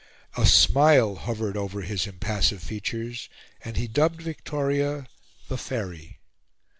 A smile hovered over his impassive features, and he dubbed Victoria "the Faery."